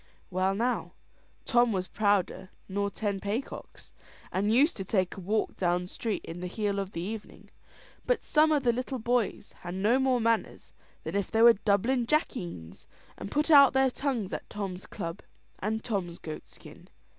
Well, now, Tom was prouder nor ten paycocks, and used to take a walk down street in the heel of the evening; but some o' the little boys had no more manners than if they were Dublin jackeens, and put out their tongues at Tom's club and Tom's goat skin.